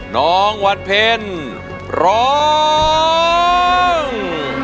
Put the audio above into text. น้องวัสเพ็ญร้อง